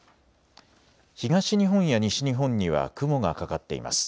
東日本や西日本には雲がかかっています。